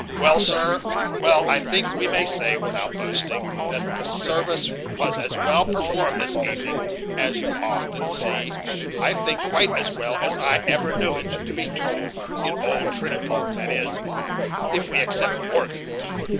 Well, sir, well, I think we may say, without boasting, that the service was as well per formed this evening as you often see; I think, quite as well as I ever knew it to be done in old Trinity that is, if we except the organ.